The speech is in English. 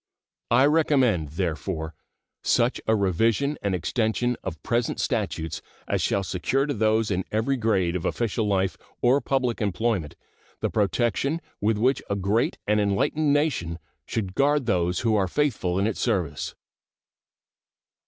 I recommend, therefore, such a revision and extension of present statutes as shall secure to those in every grade of official life or public employment the protection with which a great and enlightened nation should guard those who are faithful in its service.